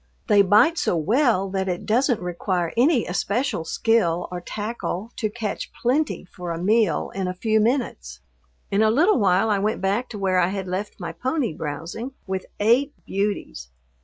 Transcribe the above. They bite so well that it doesn't require any especial skill or tackle to catch plenty for a meal in a few minutes. In a little while I went back to where I had left my pony browsing, with eight beauties.